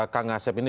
kang asep ini